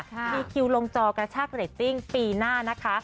ที่คิวลงจอกระชากระเต้นปีหน้านะคะ